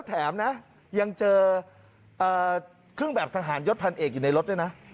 แถมนะยังเจอเครื่องแบบทหารยศพันเอกอยู่ในรถด้วยนะ